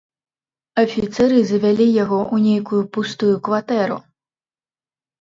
Афіцэры завялі яго ў нейкую пустую кватэру.